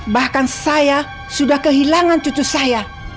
bahkan saya sudah kehilangan cucu saya